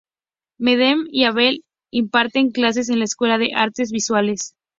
Madden y Abel imparten clases en la Escuela de Artes Visuales.